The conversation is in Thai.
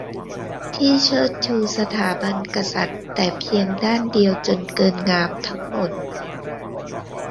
ที่เชิดชูสถาบันกษัตริย์แต่เพียงด้านเดียวจนเกินงามทั้งหมด